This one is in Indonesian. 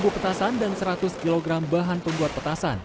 dua puluh empat petasan dan seratus kg bahan penguat petasan